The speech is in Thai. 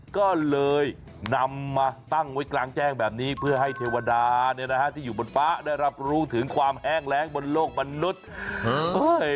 ก็เลยนำมาตั้งไว้กลางแจ้งแบบนี้เพื่อให้เทวดาเนี่ยนะฮะที่อยู่บนฟ้าได้รับรู้ถึงความแห้งแรงบนโลกมนุษย์เฮ้ย